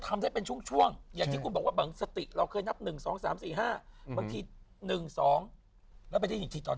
บางที๑๒แต่ไม่ได้ยินทีตอน๕